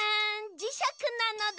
じしゃくなのだ。